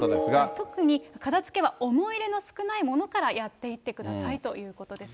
特に片づけは、思い入れの少ないものからやっていってくださいということです。